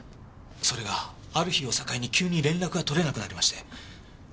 それがある日を境に急に連絡が取れなくなりまして。